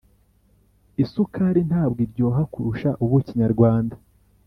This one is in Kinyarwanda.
Isukari ntabwo iryoha kurusha ubuki nyarwanda